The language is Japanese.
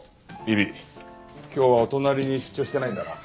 ビビ今日はお隣に出張してないんだな。